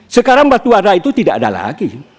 sekarang batu arah itu tidak ada lagi